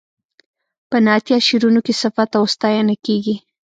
په نعتیه شعرونو کې صفت او ستاینه کیږي.